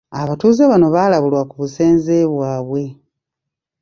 Abatuuze bano baalabulwa ku busenze bwabwe.